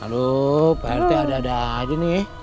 aduh pak rt ada ada aja nih